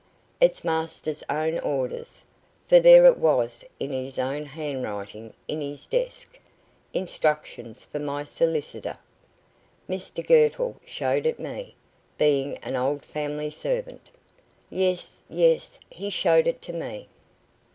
It's master's own orders, for there it was in his own handwriting in his desk. `Instructions for my solicitor.' Mr Girtle showed it me, being an old family servant." "Yes, yes he showed it to me."